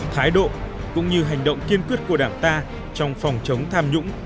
thái độ cũng như hành động kiên quyết của đảng ta trong phòng chống tham nhũng